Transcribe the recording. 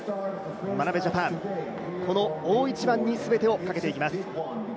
眞鍋ジャパン、この大一番に全てをかけていきます。